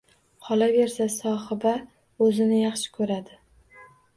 Qolaversa, Sohiba o`zini yaxshi ko`radi